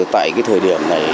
tại thời điểm này